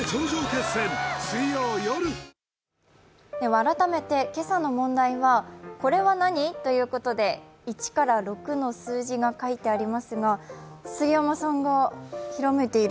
改めて今朝の問題は、これは何？ということで１から６の数字が書いてありますが杉山さんがひらめいている。